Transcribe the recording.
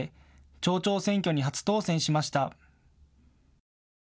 町長選挙に初当選しました。